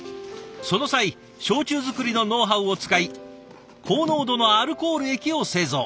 その際焼酎作りのノウハウを使い高濃度のアルコール液を製造。